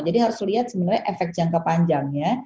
jadi harus lihat efek jangka panjangnya